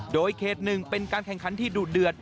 โดยเขต๑เป็นการแข่งขันที่ดูดเดือด